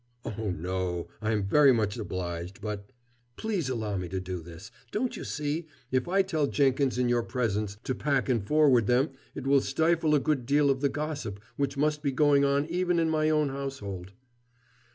"Oh, no. I am very much obliged, but " "Please allow me to do this. Don't you see? if I tell Jenkins, in your presence, to pack and forward them, it will stifle a good deal of the gossip which must be going on even in my own household."